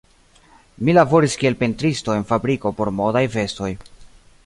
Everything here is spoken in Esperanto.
Mi laboris kiel pentristo en fabriko por modaj vestoj.